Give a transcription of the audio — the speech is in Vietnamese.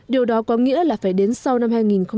điều đó có nghĩa là phải đến sau năm hai nghìn hai mươi